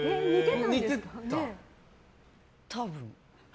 多分。